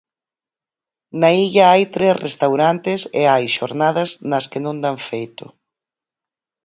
Na illa hai tres restaurantes e hai xornadas nas que non dan feito.